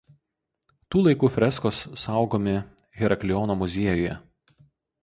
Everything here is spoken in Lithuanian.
Tų laikų freskos saugomi Herakliono muziejuje.